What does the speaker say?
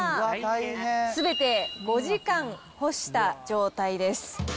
すべて５時間干した状態です。